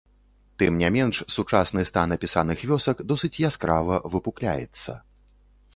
Тым не менш сучасны стан апісаных вёсак досыць яскрава выпукляецца.